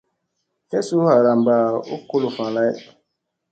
Sle suu ɦaramba u kuluffa lay.